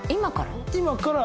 今から？